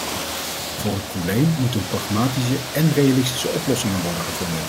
Voor het probleem moet een pragmatische en realistische oplossingen worden gevonden.